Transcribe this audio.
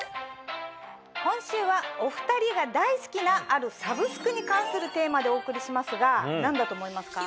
今週はお２人が大好きなあるサブスクに関するテーマでお送りしますが何だと思いますか？